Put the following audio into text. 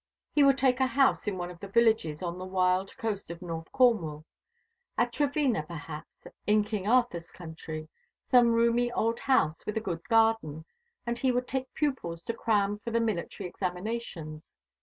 He would take a house in one of the villages on the wild coast of North Cornwall at Trevena perhaps, in King Arthur's country some roomy old house with a good garden, and he would take pupils to cram for the military examinations.